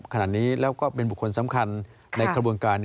ขณะนี้แล้วก็เป็นบุคคลสำคัญในกระบวนการ